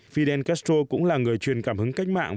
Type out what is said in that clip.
fidel castro cũng là người truyền cảm hứng cách mạng